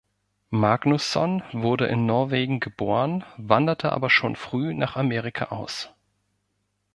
Magnusson wurde in Norwegen geboren, wanderte aber schon früh nach Amerika aus.